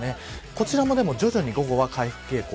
こちらも徐々に午後は回復傾向。